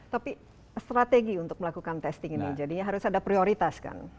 tapi strategi untuk melakukan testing ini jadinya harus ada prioritas kan